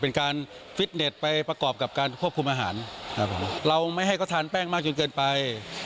ฟิตเน็ตไปประกอบกับการควบคุมอาหารครับผมเราไม่ให้เขาทานแป้งมากจนเกินไป